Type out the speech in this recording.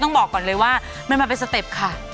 บอกก่อนเลยว่ามันมาเป็นสเต็ปค่ะ